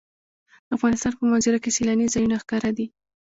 د افغانستان په منظره کې سیلاني ځایونه ښکاره دي.